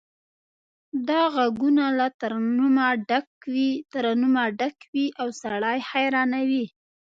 دا غږونه له ترنمه ډک وي او سړی حیرانوي